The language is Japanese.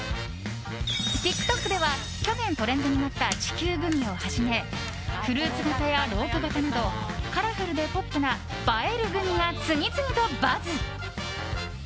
ＴｉｋＴｏｋでは去年トレンドになった地球グミをはじめフルーツ形やロープ形などカラフルでポップな映えるグミが次々とバズ。